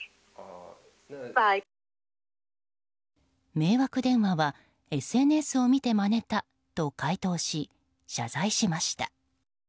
迷惑電話はＳＮＳを見てまねたと回答し謝罪しました。